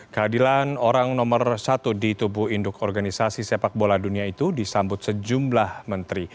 kehadiran orang nomor satu di tubuh induk organisasi sepak bola dunia itu disambut sejumlah menteri